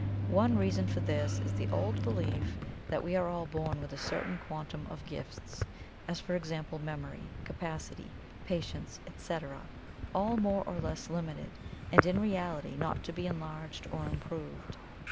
One reason for this is the old belief that we are all born with a certain quantum of "gifts," as for example memory, capacity, patience, et cetera, all more or less limited, and in reality not to be enlarged or improved.